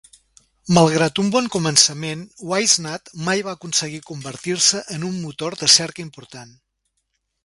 Malgrat un bon començament, WiseNut mai va aconseguir convertir-se en un motor de cerca important.